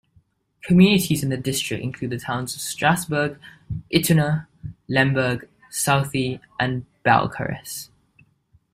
Communities in the district include the towns of Strasbourg, Ituna, Lemberg, Southey, and Balcarres.